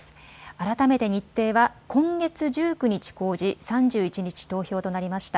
改めて日程は今月１９日公示、３１日投票となりました。